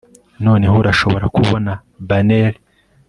Noneho urashobora kubona banneri